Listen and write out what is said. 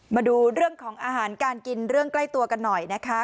มาดูเรื่องของอาหารการกินเรื่องใกล้ตัวกันหน่อยนะคะ